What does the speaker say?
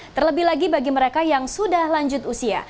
terlebih lagi bagi mereka yang sudah lanjut usia